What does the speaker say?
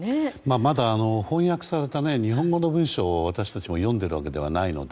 まだ翻訳された日本語の文章を私たちは読んでいるわけではないので。